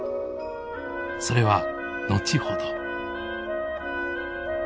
それは後ほど。